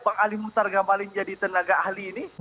bang ali muhtar ngabalin jadi tenaga ahli ini